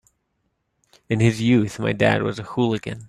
In his youth my dad was a hooligan.